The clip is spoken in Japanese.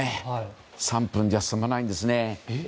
３分じゃ済まないんですね。